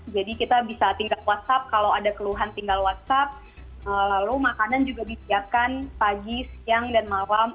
jadi kita bisa tinggal whatsapp kalau ada keluhan tinggal whatsapp lalu makanan juga disiapkan pagi siang dan malam